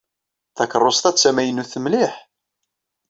Takeṛṛust-a d tamaynut mliḥ.